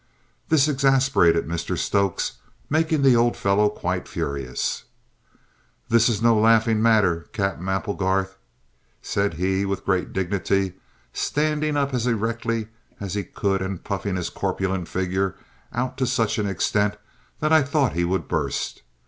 This exasperated Mr Stokes, making the old fellow quite furious. "This is no laughing matter, Cap'en Applegarth," said he with great dignity, standing up as erectly as he could and puffing his corpulent figure out to such an extent that I thought he would burst.